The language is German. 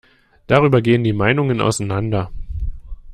Darüber gehen die Meinungen auseinander.